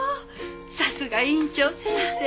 さすが院長先生。